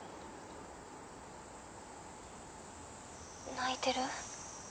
「泣いてる」